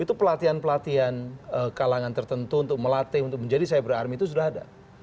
itu pelatihan pelatihan kalangan tertentu untuk melatih untuk menjadi cyber army itu sudah ada